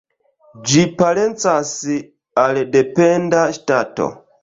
Ĝi parencas al dependa ŝtato.